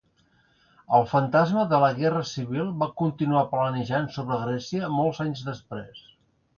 El fantasma de la guerra civil va continuar planejant sobre Grècia molts anys després.